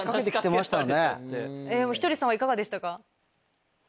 ひとりさんはいかがでしたか？